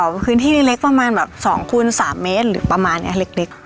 พื้นที่เล็กประมาณแบบ๒คูณ๓เมตรหรือประมาณนี้เล็ก